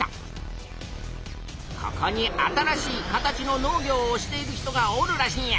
ここに新しい形の農業をしている人がおるらしいんや。